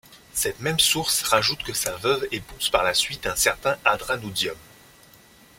Cette même source rajoute que sa veuve épouse par la suite un certain Adranutzium.